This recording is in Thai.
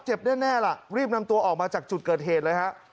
เจ็บแน่ละรีบนำตัวออกมาจากจุดเกิดเหตุเลยครับ